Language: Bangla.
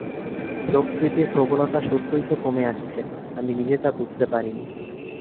শোকস্মৃতির প্রবলতা সত্যই তো কমে আসছে- আমি নিজে তা বুঝতে পারি নি।